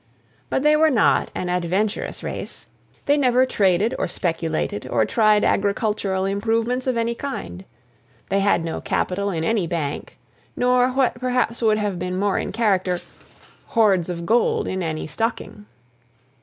But they were not an adventurous race. They never traded, or speculated, or tried agricultural improvements of any kind. They had no capital in any bank; nor what perhaps would have been more in character, hoards of gold in any stocking.